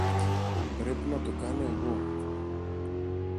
Πρέπει να το κάνω εγώ